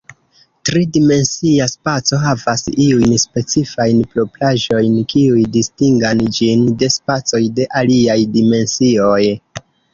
Tri-dimensia spaco havas iujn specifajn propraĵojn, kiuj distingan ĝin de spacoj de aliaj dimensioj.